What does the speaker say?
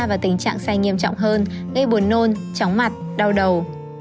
và tình trạng sai nghiêm trọng hơn gây buồn nôn chóng mặt đau đầu